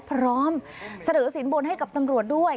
พร้อมเสนอสินบนให้กับตำรวจด้วย